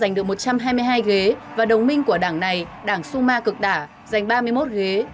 đảng xã hội của thủ tướng pedro sánchez giành được một trăm hai mươi hai ghế và đồng minh của đảng này đảng suma cực đả giành ba mươi một ghế